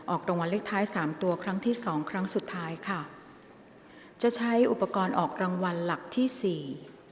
ออกรางวัลเลขท้ายสามตัวครั้งที่สองครั้งสุดท้ายค่ะจะใช้อุปกรณ์ออกรางวัลหลักที่สี่